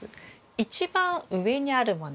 一番上にあるもの。